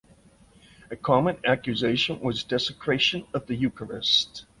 A common accusation was desecration of the eucharist.